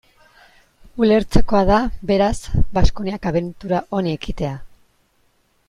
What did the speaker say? Ulertzekoa da, beraz, Baskoniak abentura honi ekitea.